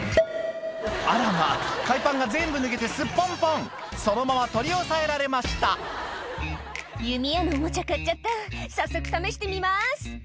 あらまぁ海パンが全部脱げてすっぽんぽんそのまま取り押さえられました「弓矢のおもちゃ買っちゃった早速試してみます」